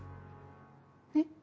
えっ。